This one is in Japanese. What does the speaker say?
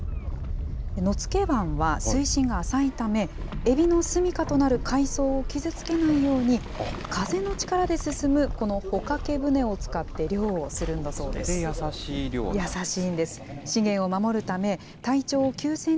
野付湾は水深が浅いため、エビの住みかとなる海藻を傷つけないように、風の力で進む、この帆掛け船を使って漁をするんだそうです。